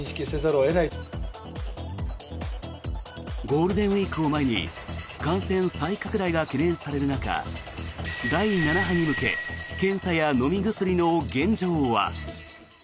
ゴールデンウィークを前に感染再拡大が懸念される中第７波に向け検査や飲み薬の現状は。